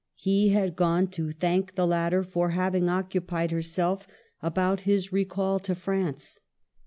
He had gone to thank the latter for having occupied herself about his recall to France.